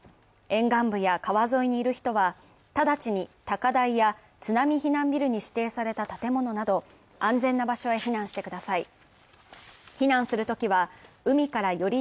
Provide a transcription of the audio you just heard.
沿岸部や川沿いにいる人は直ちに高台や津波避難ビルに指定された建物など安全な場所へ避難してください。